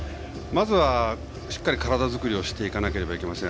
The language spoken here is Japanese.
まずは、しっかり体作りをしていかないといけません。